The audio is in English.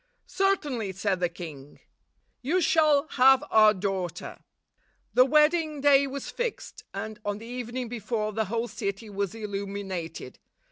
"Certainly," said the king, "you shall have our daughter." The wedding day was fixed, and, on the evening before, the whole city was illuminated.